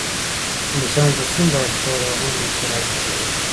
انسان چي څومره اړتیا لري هماغومره مسایل ارزښت پیدا کوي.